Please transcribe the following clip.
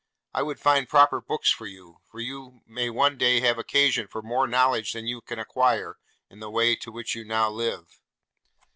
I would find proper books for you; for you may one day have occasion for more knowledge than you can acquire in the way to which you now live.